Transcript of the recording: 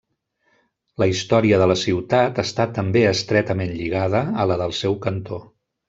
La història de la ciutat està també estretament lligada a la del seu cantó.